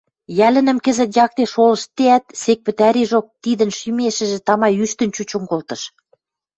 Йӓлӹнӹм кӹзӹт якте шолыштдеӓт, сек пӹтӓрижок тидӹн шӱмешӹжӹ тама ӱштӹн чучын колтыш.